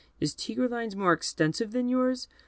Is Tigreline's more extensive than yours?